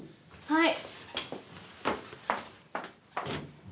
はい。